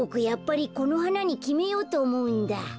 やっぱりこのはなにきめようとおもうんだ。